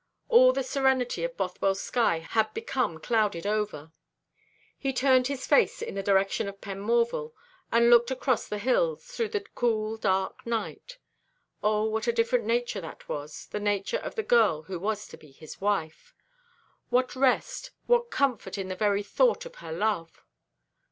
All the serenity of Bothwell's sky had become clouded over. He turned his face in the direction of Penmorval, and looked across the hills, through the cool, dark night. O, what a different nature that was, the nature of the girl who was to be his wife! What rest, what comfort in the very thought of her love!